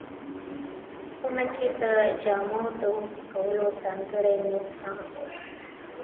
خونه کې د جامو د اوتو کولو ځانګړی مېز هم و.